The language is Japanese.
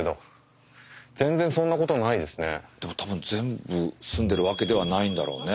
でも多分全部住んでるわけではないんだろうね。